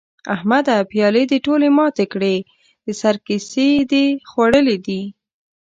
احمده؛ پيالې دې ټولې ماتې کړې؛ د سر کسي دې خوړلي دي؟!